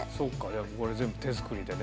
いやこれ全部手作りでね。